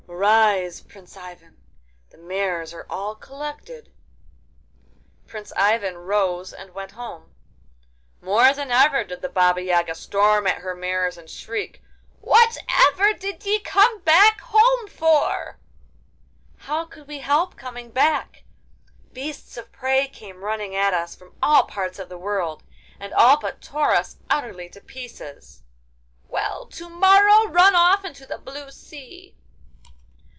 'Arise, Prince Ivan! The mares are all collected.' Prince Ivan arose and went home. More than ever did the Baba Yaga storm at her mares and shriek: 'Whatever did ye come back home for?' 'How could we help coming back? Beasts of prey came running at us from all parts of the world, and all but tore us utterly to pieces.' 'Well, to morrow run off into the blue sea.